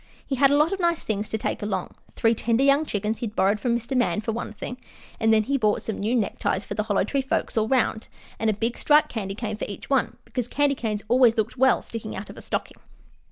He had a lot of nice things to take along. Three tender young chickens he'd borrowed from Mr. Man, for one thing, and then he bought some new neckties for the Hollow Tree folks all around, and a big, striped candy cane for each one, because candy canes always looked well sticking out of a stocking.